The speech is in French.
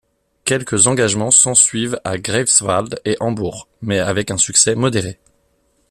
Quelques engagements s’ensuivent à Greifswald et Hambourg, mais avec un succès modéré.